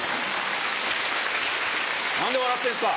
何で笑ってんすか！